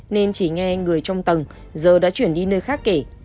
nên chỉ nghe người trong tầng giờ đã chuyển đi nơi khác kể